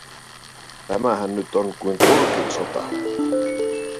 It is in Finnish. Tämähän nyt on kuin Turkin sota.